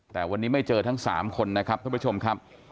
แต่วันนี้ไม่เจอทั้ง๓คนนะครับท่านผู้ชมครับ